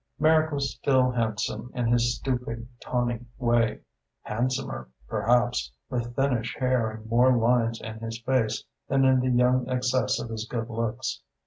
Merrick was still handsome in his stooping tawny way: handsomer perhaps, with thinnish hair and more lines in his face, than in the young excess of his good looks.